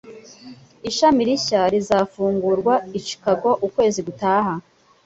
Ishami rishya rizafungurwa i Chicago ukwezi gutaha.